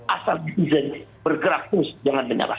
asal di pijen bergerak terus jangan menyerah